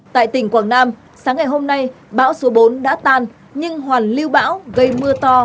tại tỉnh quảng nam sáng ngày hôm nay bão số bốn đã tan nhưng hoàn lưu bão gây mưa to